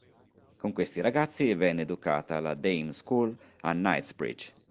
Con questi ragazzi venne educata alla Dame School a Knightsbridge.